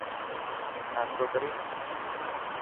ناشتو ڪريس.